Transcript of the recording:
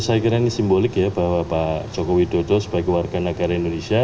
saya kira ini simbolik ya bahwa pak joko widodo sebagai warga negara indonesia